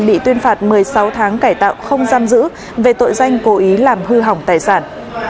bị tuyên phạt một mươi sáu tháng cải tạo không giam giữ về tội danh cố ý làm hư hỏng tài sản